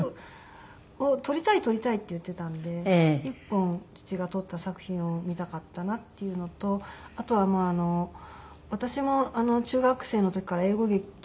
「撮りたい撮りたい」って言っていたんで一本父が撮った作品を見たかったなっていうのとあとはまあ私も中学生の時から英語劇をずっとやっていて。